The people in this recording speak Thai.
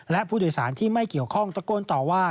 และผู้โดยสารที่ไม่เกี่ยวข้องตะโกนต่อว่า